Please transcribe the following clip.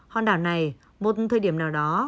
hòn đảo này một thời điểm nào đó